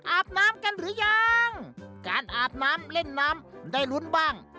อาบน้ำกันหรือยังการอาบน้ำเล่นน้ำได้ลุ้นบ้าง